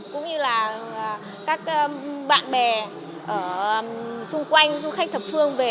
cũng như là các bạn bè xung quanh du khách thập phương về